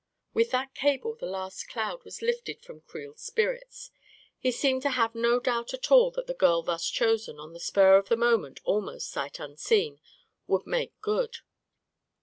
With that cable, the last cloud was lifted from Creel's spirits. He seemed to have no doubt at all that the girl thus chosen — on the spur of the mo ment, almost sight unseen 1 — would make good.